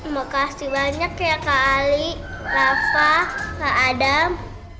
makasih banyak ya kak ali rafa kak adam